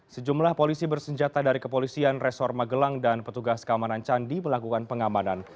sejumlah polisi bersenjata dari kepolisian resor magelang dan petugas keamanan candi melakukan pengamanan